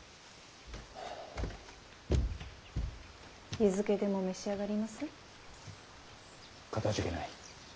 湯漬けでも召し上がります？かたじけない。